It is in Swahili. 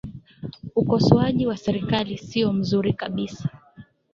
ukosoaji wa serikali siyo mzuri kabisa